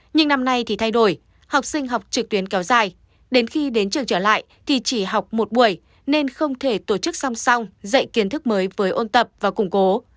nhưng năm nay thì thay đổi học sinh học trực tuyến kéo dài đến khi đến trường trở lại thì chỉ học một buổi nên không thể tổ chức song song dạy kiến thức mới với ôn tập và củng cố